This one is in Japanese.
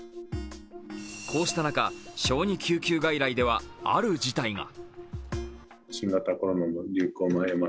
こうした中、小児救急外来ではある事態が。